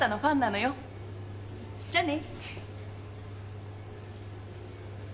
じゃあね。